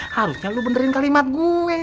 harusnya lu benerin kalimat gue